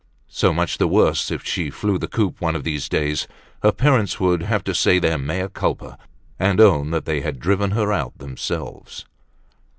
So much the worse if she flew the coop one of these days; her parents would have to say their mea culpa, and own that they had driven her out themselves.